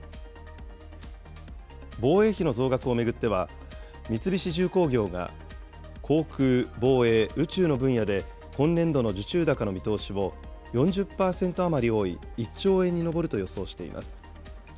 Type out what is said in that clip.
防衛費の増額を巡っては、三菱重工業が航空・防衛・宇宙の分野で今年度の受注高の見通しを、４０％余り多い１兆円に上ると予想しています。